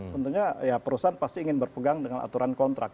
tentunya ya perusahaan pasti ingin berpegang dengan aturan kontrak